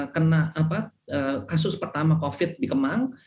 kena kasus pertama covid di kemang